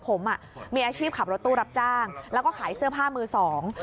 ผมอ่ะมีอาชีพขับรถตู้รับจ้างแล้วก็ขายเสื้อผ้ามือสอง